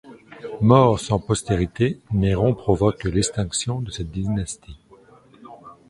Mort sans postérité, Néron provoque l'extinction de cette dynastie.